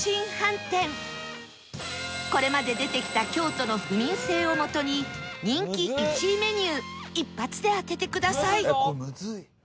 これまで出てきた京都の府民性をもとに人気１位メニュー一発で当ててください